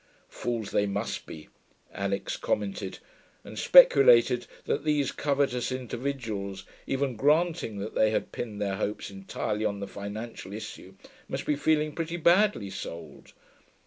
'Fools they must be,' Alix commented, and speculated that these covetous individuals, even granting that they had pinned their hopes entirely on the financial issue, must be feeling pretty badly sold.